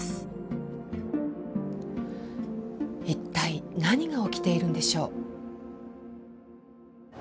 一体何が起きているんでしょう？